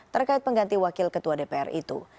terkait pengganti wakil ketua dpr itu